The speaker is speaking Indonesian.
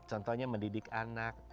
contohnya mendidik anak